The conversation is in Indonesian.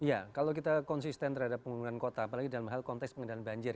ya kalau kita konsisten terhadap penggunaan kota apalagi dalam hal konteks pengendalian banjir